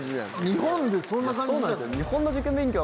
日本ってそんな感じなんです。